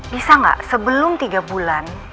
bisa nggak sebelum tiga bulan